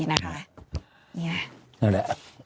นั่นแหละ